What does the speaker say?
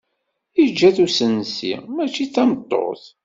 Yeǧǧa-tt usensi, mačči d tameṭṭut.